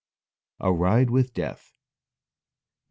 A RIDE WITH DEATH. Gen.